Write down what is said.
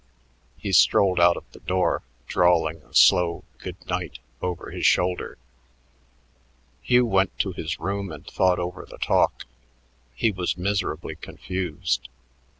He strolled out of the door, drawling a slow "good night" over his shoulder. Hugh went to his room and thought over the talk. He was miserably confused.